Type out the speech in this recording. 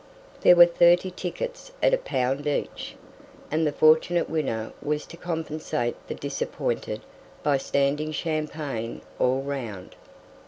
There were thirty tickets at a pound each, and the fortunate winner was to compensate the disappointed by standing champagne all round.